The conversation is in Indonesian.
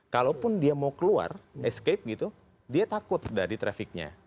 kalaupun dia mau keluar escape gitu dia takut dari trafficnya